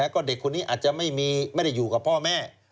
ก็เด็กคนนี้อาจจะไม่ได้อยู่กับพ่อแม่